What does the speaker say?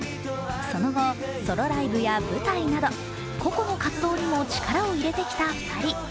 その後、ソノライブや舞台など個々の活動にも力を入れてきた２人。